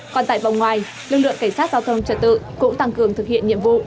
còn tại vòng ngoài lực lượng cảnh sát giao thông trật tự cũng tăng cường thực hiện nhiệm vụ